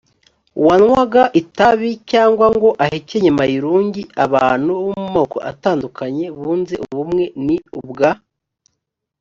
wanywaga itabi cyangwa ngo ahekenye mayirungi abantu bo mu moko atandukanye bunze ubumwe ni ubwa